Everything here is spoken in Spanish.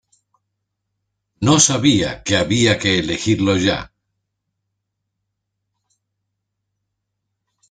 No sabía que había que elegirlo ya.